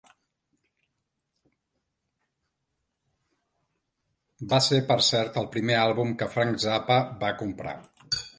Va ser, per cert, el primer àlbum que Frank Zappa va comprar.